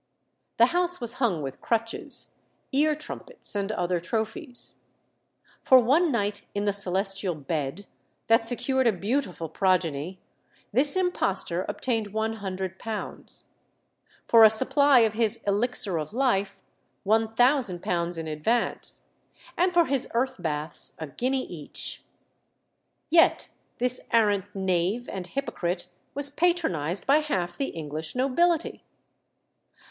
The house was hung with crutches, ear trumpets, and other trophies. For one night in the celestial bed, that secured a beautiful progeny, this impostor obtained £100; for a supply of his elixir of life £1000 in advance, and for his earth baths a guinea each. Yet this arrant knave and hypocrite was patronised by half the English nobility.